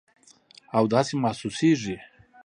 او داسې محسوسیږي